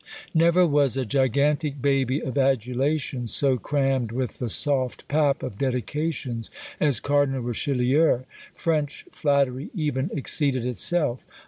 Never was a gigantic baby of adulation so crammed with the soft pap of Dedications as Cardinal Richelieu. French flattery even exceeded itself.